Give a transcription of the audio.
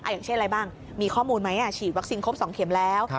อย่างเช่นอะไรบ้างมีข้อมูลไหมฉีดวัคซีนครบ๒เข็มแล้ว